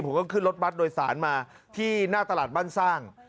เขาก็ขึ้นรถบัตรโดยสารมาที่หน้าตลาดบ้านสร้าง